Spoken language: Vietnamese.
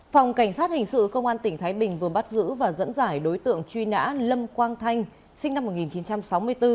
phòng cảnh sát hình sự công an tỉnh thái bình vừa bắt giữ và dẫn giải đối tượng truy nã lâm quang thanh sinh năm một nghìn chín trăm sáu mươi bốn